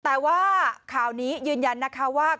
แต่ว่าข่าวนี้ยืนยันนะคะว่า